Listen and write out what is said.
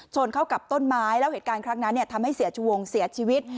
ชนเข้ากับต้นไม้แล้วเกิดจุดขึ้นเนี้ยทำให้เสียชู้วงเสียชีวิต